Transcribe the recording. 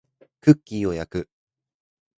クッキーを焼く